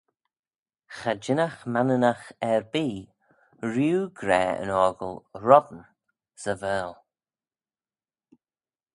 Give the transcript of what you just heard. Cha jinnagh Manninagh erbee rieau gra yn 'ockle 'roddan' 'sy Vaarle.